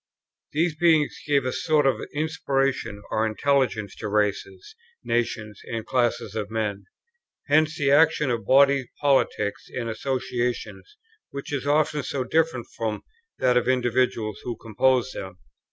These beings gave a sort of inspiration or intelligence to races, nations, and classes of men. Hence the action of bodies politic and associations, which is often so different from that of the individuals who compose them.